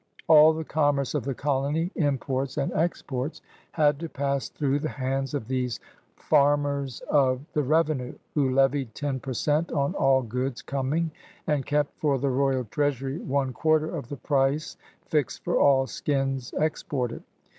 All the commerce of the colony, imports and exports. AGRICULTURE, INDUSTRY, AND TRADE 199 had to pass through the hands of these f anners of the revenue who levied ten per cent on all goods coming and kept for the royal treasury one quarter of the price fixed for all skins exported.